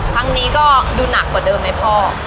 ครั้งนี้ก็ดูหนักกว่าเดิมไหมพ่อ